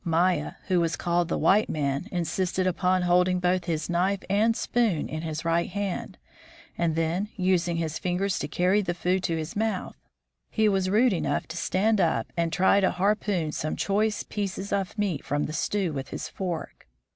Myah, who was called the white man, insisted upon holding both his knife and spoon in his right hand, and then using his fingers to carry the food to his mouth. He was rude enough to stand up and try to harpoon some choice pieces of meat from the stew with his fork.